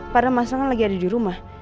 padahal masal kan lagi ada di rumah